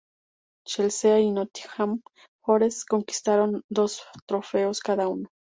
Chelsea y Nottingham Forest conquistaron dos trofeos cada uno.